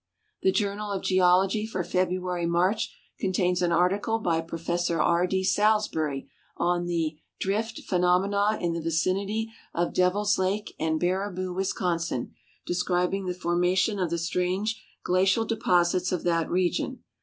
The Joimial of Geologi/ for February March contains an article by Prof R. D. Salisbury on the " Drift Phenomena in the Vicinity of Devils Lake and Baraboo, Wisconsin," descril)ing the formation .>f tlie strange glacial deposits of that region.